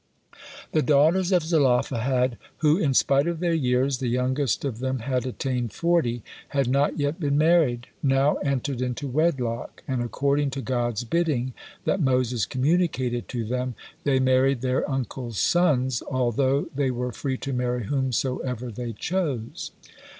The daughters of Zelophehad, who in spite of their years the youngest of them had attained forty had not yet been married, now entered into wedlock, and according to God's bidding that Moses communicated to them, they married their uncle's sons, although they were free to marry whomsoever they chose.